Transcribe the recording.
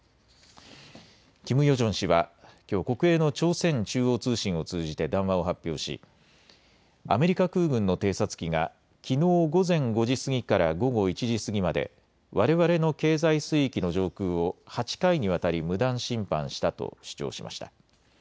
キム・ヨジョン氏はきょう国営の朝鮮中央通信を通じて談話を発表しアメリカ空軍の偵察機がきのう午前５時過ぎから午後１時過ぎまでわれわれの経済水域の上空を８回にわたり無断侵犯したと主張しました。